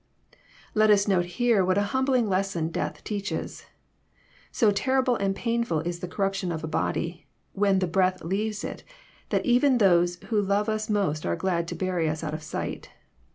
Let us note here what a humbling lesson death teaches. So terrible and painfhl is the corruption of a body, when the breath leaves it, that even those who love us most are glad to bury us out of sight.